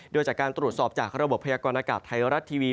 โดยจากการตรวจสอบจากระบบพยากรณากาศไทยรัฐทีวี